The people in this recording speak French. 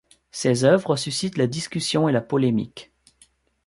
Ces œuvres suscitent la discussion et la polémique.